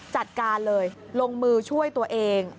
จัดการเลยลงมือช่วยตัวเอง